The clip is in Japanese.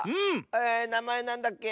えなまえなんだっけ？